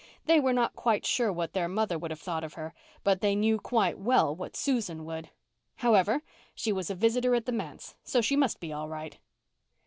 They were not quite sure what their mother would have thought of her, but they knew quite well what Susan would. However, she was a visitor at the manse, so she must be all right.